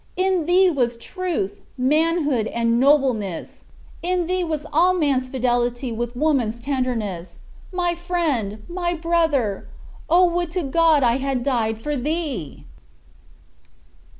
In thee was truth, manhood, and nobleness; in thee was all man's fidelity with woman's tenderness. My friend, my brother, oh! would to God I had died for thee!"